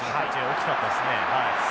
大きかったですね。